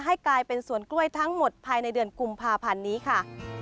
ให้กลายเป็นสวนกล้วยทั้งหมดภายในเดือนกุมภาพันธ์นี้ค่ะ